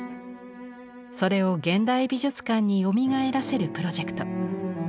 それを現代美術館によみがえらせるプロジェクト。